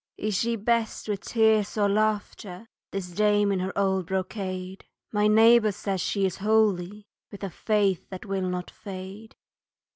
Is she best with tears or laughter, This dame in her old brocade? My neighbour says she is holy, With a faith that will not fade.